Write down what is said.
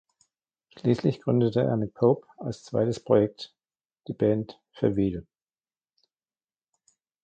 Schließlich gründete er mit Pope als zweites Projekt die Band "The Wheel".